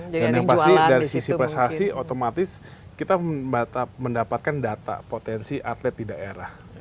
dan yang pasti dari sisi prestasi otomatis kita mendapatkan data potensi atlet di daerah ini